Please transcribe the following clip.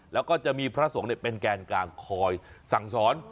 แล้วก็จะมีพระสงฆ์เป็นแกนกลางคอยสั่งสอน